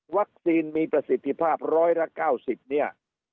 วัคซีนมีประสิทธิภาพร้อยละ๙๐เนี่ย